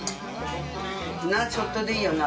ちょっとでいいよな？